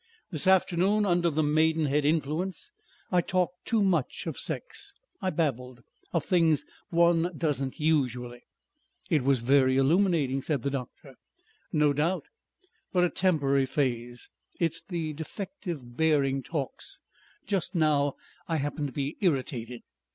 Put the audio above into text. This afternoon, under the Maidenhead influence, I talked too much of sex. I babbled. Of things one doesn't usually..." "It was very illuminating," said the doctor. "No doubt. But a temporary phase. It is the defective bearing talks.... Just now I happen to be irritated."